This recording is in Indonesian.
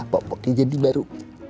popoknya jadi baru